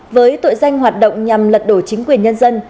với tội danh hoạt động nhằm lật đổ chính quyền nhân dân